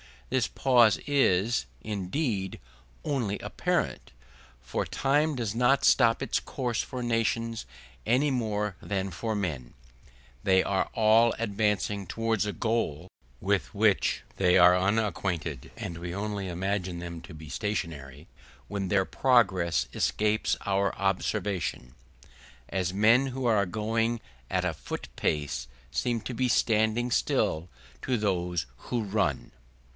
This pause is, indeed, only apparent, for time does not stop its course for nations any more than for men; they are all advancing towards a goal with which they are unacquainted; and we only imagine them to be stationary when their progress escapes our observation, as men who are going at a foot pace seem to be standing still to those who run.